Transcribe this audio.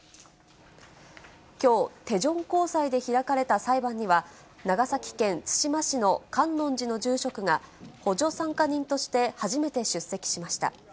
きょう、テジョン高裁で開かれた裁判には、長崎県対馬市の観音寺の住職が、補助参加人として初めて出席しました。